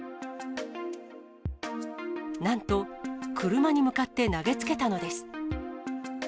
なんと、車に向かって投げつけたのです。